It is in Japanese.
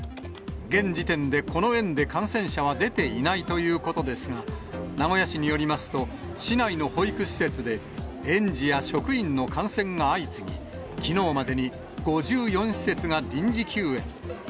現時点でこの園で感染者は出ていないということですが、名古屋市によりますと、市内の保育施設で、園児や職員の感染が相次ぎ、きのうまでに５４施設が臨時休園。